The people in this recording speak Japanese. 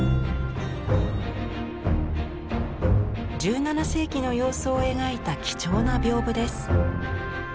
１７世紀の様子を描いた貴重な屏風です。